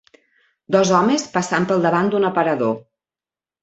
Dos homes passant pel davant d'un aparador.